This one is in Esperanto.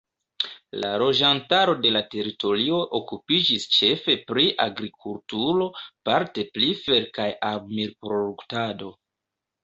La loĝantaro de la teritorio okupiĝis ĉefe pri agrikulturo; parte pri fer- kaj armil-proruktado.